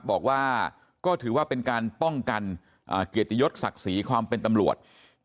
บอกว่าก็ถือว่าเป็นการป้องกันเกียรติยศศักดิ์ศรีความเป็นตำรวจ